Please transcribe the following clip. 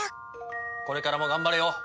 これからも頑張れよ！